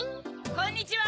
・こんにちは！